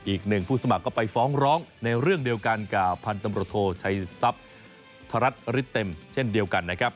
อีกหนึ่งผู้สมัครก็ไปฟ้องร้องในเรื่องเดียวกันกับพันธุ์ตำรวจโทชัยทรัพย์ธรัฐฤทธิเต็มเช่นเดียวกันนะครับ